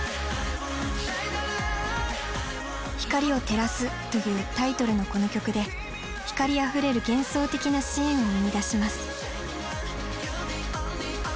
光を照らすというタイトルのこの曲で光あふれる幻想的なシーンを生みだします。